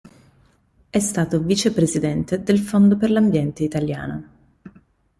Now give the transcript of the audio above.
È stato vicepresidente del Fondo per l'Ambiente Italiano.